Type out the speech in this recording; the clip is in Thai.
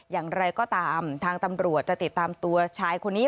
อย่างไรก็ตามทางตำรวจจะติดตามตัวชายคนนี้